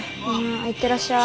はい行ってらっしゃい。